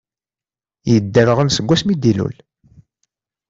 Yedderɣel seg wass mi d-ilul.